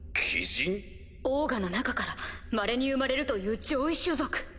オーガの中から稀に生まれるという上位種族！